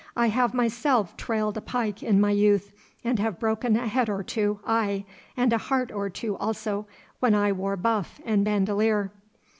I have myself trailed a pike in my youth and have broken a head or two, aye, and a heart or two also, when I wore buff and bandolier.